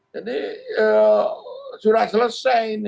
jadi sudah selesai